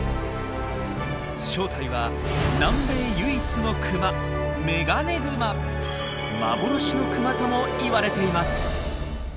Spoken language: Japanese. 正体は南米唯一のクマ「幻のクマ」とも言われています。